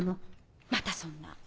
またそんな。